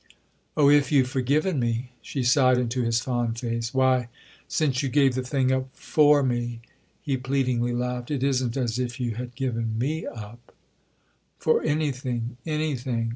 "Oh, if you've forgiven me—!" she sighed into his fond face. "Why, since you gave the thing up for me," he pleadingly laughed, "it isn't as if you had given me up——!" "For anything, anything?